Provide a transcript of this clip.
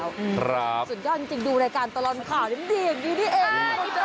ครับสุดยอดจริงดูรายการตลอดข่าวดิ่มอย่างนี้นี่เอง